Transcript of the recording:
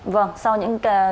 vâng sau những